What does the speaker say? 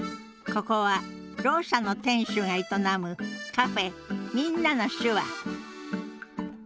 ここはろう者の店主が営むカフェ「みんなの手話」